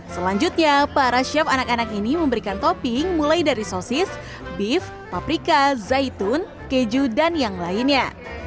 selanjutnya para chef anak anak ini memberikan topping mulai dari sosis beef paprika zaitun keju dan yang lainnya